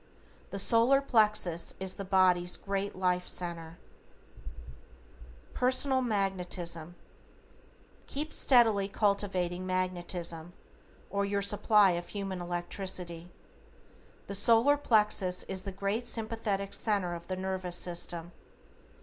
The solar plexus is the body's great life centre. =PERSONAL MAGNETISM:= Keep steadily cultivating Magnetism, or your supply of Human Electricity. The solar plexus is the great sympathetic centre of the nervous system.